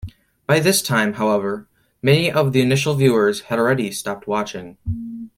By this time, however, many of the initial viewers had already stopped watching.